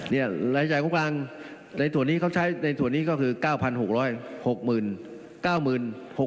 นี่รายจ่ายโครงการในส่วนนี้เขาใช้ในส่วนนี้ก็คือ๙๖๐๐